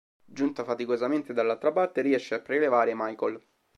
Giunta faticosamente dall'altra parte, riesce a prelevare Michael.